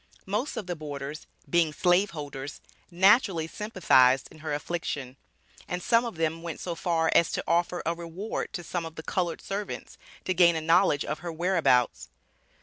Most of the boarders, being slave holders, naturally sympathized in her affliction; and some of them went so far as to offer a reward to some of the colored servants to gain a knowledge of her whereabouts.